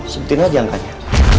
sebutin aja angkanya